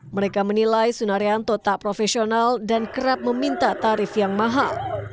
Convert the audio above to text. mereka menilai sunaryanto tak profesional dan kerap meminta tarif yang mahal